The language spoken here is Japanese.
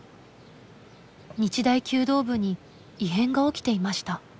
日大弓道部に異変が起きていました。